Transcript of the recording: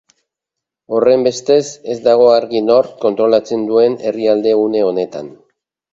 Horrenbestez, ez dago argi nork kontrolatzen duen herrialdea une honetan.